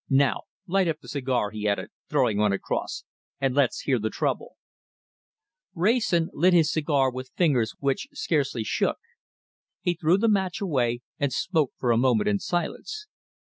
Now light up that cigar," he added, throwing one across, "and let's hear the trouble." Wrayson lit his cigar with fingers which scarcely shook. He threw the match away and smoked for a moment in silence.